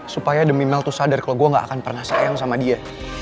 supaya demi mel tuh sadar kalau gue nggak akan pernah sayang sama dia